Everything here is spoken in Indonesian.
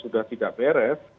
sudah tidak beres